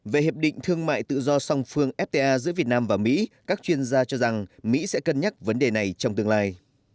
về hiệp định thương mại tự do song phương fta giữa việt nam và mỹ các chuyên gia cho rằng mỹ sẽ cân nhắc vấn đề này trong tương lai